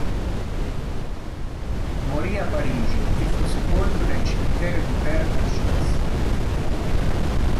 Morì a Parigi e fu sepolto nel cimitero di Père Lachaise.